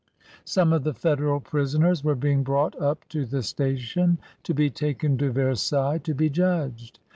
Some of the Federal prisoners were being brought up to the station to be taken to Versailles to be judged.